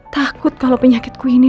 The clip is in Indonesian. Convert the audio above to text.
takut kalau penyakitku ini